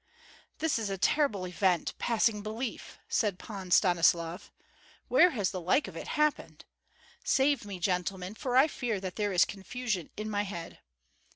"This is a terrible event, passing belief!" said Pan Stanislav. "Where has the like of it happened? Save me, gentlemen, for I feel that there is confusion in my head.